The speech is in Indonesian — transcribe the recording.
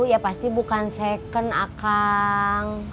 ya pasti bukan second akan